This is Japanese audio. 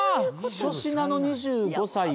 粗品の２５歳を。